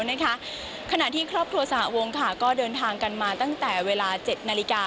ขณะที่ครอบครัวสหวงค่ะก็เดินทางกันมาตั้งแต่เวลา๗นาฬิกา